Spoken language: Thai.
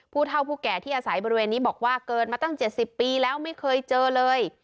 ผู้เท่าผู้แก่ที่อาศัยบริเวณนี้บอกว่าเกินมาตั้ง๗๐ปีแล้วไม่เคยเจอเลย